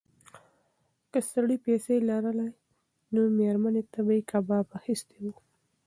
که سړي پیسې لرلای نو مېرمنې ته به یې کباب اخیستی و.